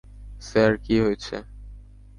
Sir, কী হয়েছে?